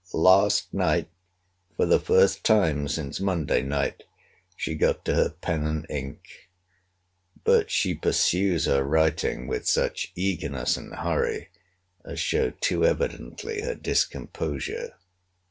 Last night, for the first time since Monday night, she got to her pen and ink; but she pursues her writing with such eagerness and hurry, as show too evidently her discomposure.